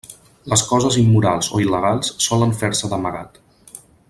Les coses immorals o il·legals solen fer-se d'amagat.